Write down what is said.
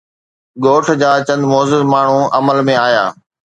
ڳوٺ جا چند معزز ماڻهو عمل ۾ آيا.